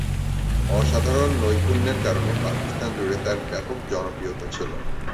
অসাধারন নৈপুণ্যের কারণে পাকিস্তান জুড়ে তার ব্যাপক জনপ্রিয়তা ছিল।